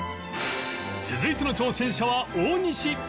続いての挑戦者は大西